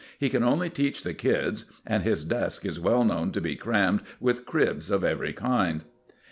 He can only teach the kids, and his desk is well known to be crammed with cribs of every kind."